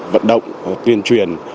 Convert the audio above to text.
vận động tuyên truyền